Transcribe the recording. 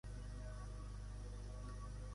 El porter titular fou Antonio Roma.